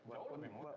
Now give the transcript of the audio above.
jauh lebih mudah